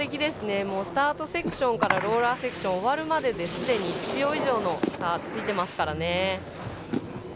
スタートセクションからローラーセクション終わるまでですでに１秒以上の差がついてますからね。